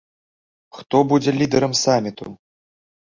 Хто будзе лідэрам саміту?